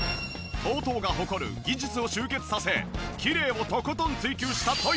ＴＯＴＯが誇る技術を集結させきれいをとことん追求したトイレ